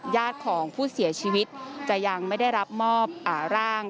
ญาติของผู้เสียชีวิตจะยังไม่ได้รับมอบร่าง